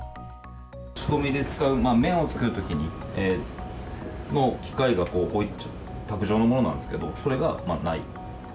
仕込みで使う麺を作るときの機械が卓上のものなんですけど、それがない。